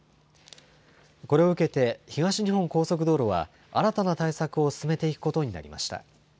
これを受けて東日本高速道路は、新たな対策を進めていくことになりました。